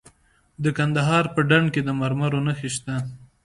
د کندهار په ډنډ کې د مرمرو نښې شته.